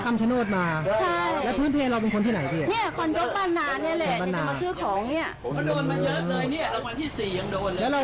ไม่ใช่เพราะฉันอะมาวรถไปเที่ยวคัมชะโน